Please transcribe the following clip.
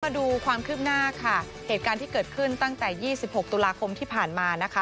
มาดูความคืบหน้าค่ะเหตุการณ์ที่เกิดขึ้นตั้งแต่๒๖ตุลาคมที่ผ่านมานะคะ